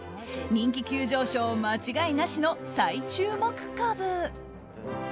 人気急上昇間違いなしの最注目株。